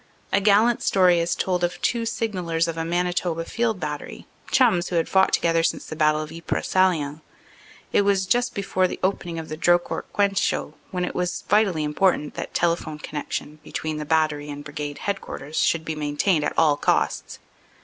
A gallant story is told of two signallers of a Manitoba field battery, chums who had fought together since the battle of the Ypres Salient. It was just before the opening of the Drocourt Queant show when it was vitally important that telephone connection between the battery and brigade head quarters should be maintained at all costs.